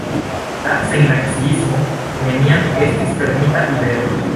La sennaciismo neniam estis fermita ideo.